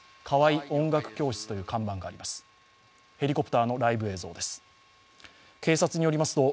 カワイ音楽教室という看板があります。